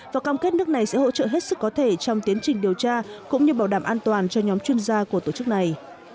và cam kết nước này sẽ hỗ trợ hết sức có thể trong tiến trình điều tra cũng như bảo đảm an toàn cho nhóm chuyên gia của tổ chức này